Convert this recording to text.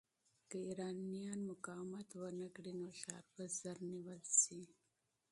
که ایرانیان مقاومت ونه کړي، نو ښار به ژر نیول شي.